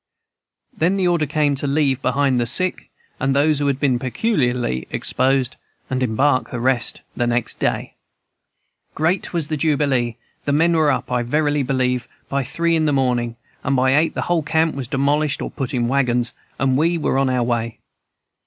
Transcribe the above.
"Then the order came to leave behind the sick and those who had been peculiarly exposed, and embark the rest next day. "Great was the jubilee! The men were up, I verily believe, by three in the morning, and by eight the whole camp was demolished or put in wagons, and we were on our way.